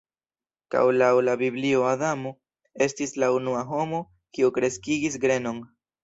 Kaj laŭ la Biblio Adamo estis la unua homo kiu kreskigis grenon.